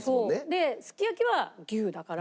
ですき焼きは牛だから。